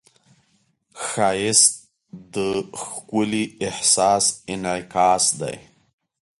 ښایست د ښکلي احساس انعکاس دی